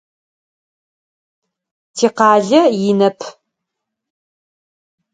Тикъалэ инэп.